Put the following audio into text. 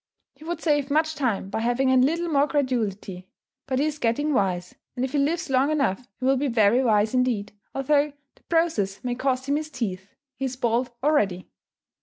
He would save much time by having a little more credulity; but he is getting wise, and if he lives long enough he will be very wise indeed, although the process may cost him his teeth he is bald already.